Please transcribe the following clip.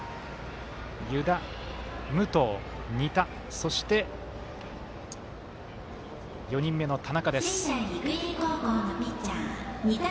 湯田、武藤、仁田そして、４人目の田中です。